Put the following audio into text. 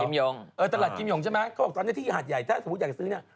เออตลาดกิมยองใช่ไหมเขาบอกตอนนี้ที่หาดใหญ่ถ้าสมมุติอยากซื้อเนี่ย